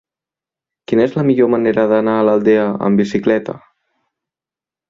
Quina és la millor manera d'anar a l'Aldea amb bicicleta?